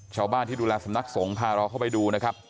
ชาวบ้านที่ดูแลสำนักสงฆ์พาเราเข้าไปดูนะครับ